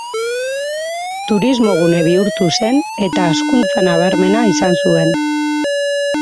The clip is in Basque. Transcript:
Turismogune bihurtu zen eta hazkuntza nabarmena izan zuen.